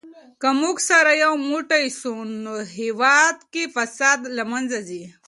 که موږ سره یو موټی سو نو هېواد کې فساد له منځه ځي.